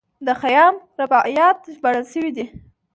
د خیام رباعیات ژباړل شوي دي.